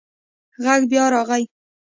غږ بیا راغی.